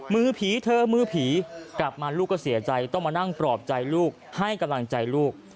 มือผีเธอมือผีกลับมาลูกก็เสียใจต้องมานั่งปลอบใจลูกให้กำลังใจลูก